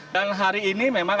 dan hari ini memang